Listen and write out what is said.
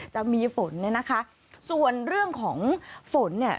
จะมีฝนเนี่ยนะคะส่วนเรื่องของฝนเนี่ย